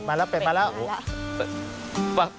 เป็นมาแล้ว